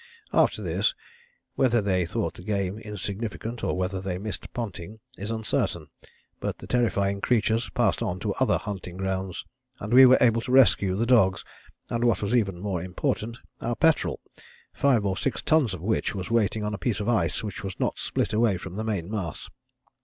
"After this, whether they thought the game insignificant, or whether they missed Ponting is uncertain, but the terrifying creatures passed on to other hunting grounds, and we were able to rescue the dogs, and what was even more important, our petrol five or six tons of which was waiting on a piece of ice which was not split away from the main mass.